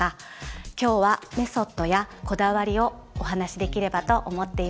今日はメソッドやこだわりをお話しできればと思っています。